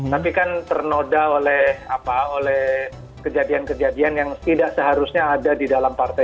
tapi kan ternoda oleh kejadian kejadian yang tidak seharusnya ada di dalam partai